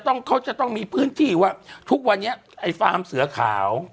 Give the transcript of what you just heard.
เขาจะต้องมีพื้นที่ว่าทุกวันนี้ไอ้ฟาร์มเสือขาว